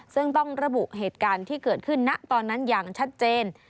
ซึ่งต้องระบุเหตุการณ์ที่เกิดขึ้นณตอนนั้นอย่างชัดเจน